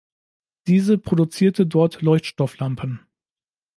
Diese produzierte dort Leuchtstofflampen.